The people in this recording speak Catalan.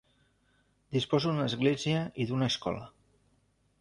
Disposa d'una Església i d'una escola.